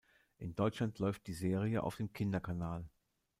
In Deutschland läuft die Serie auf dem Kinderkanal.